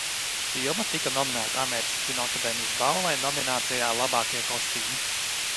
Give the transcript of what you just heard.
"Filma tika nominēta Amerikas Kinoakadēmijas balvai nominācijā "Labākie kostīmi"."